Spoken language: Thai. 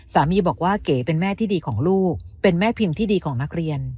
สามีบอกว่าเก๋เป็นแม่ที่ดีของลูกเป็นแม่พิมพ์ที่ดีของนักเรียน